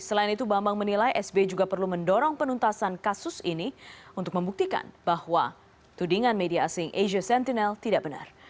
selain itu bambang menilai sby juga perlu mendorong penuntasan kasus ini untuk membuktikan bahwa tudingan media asing asia sentinel tidak benar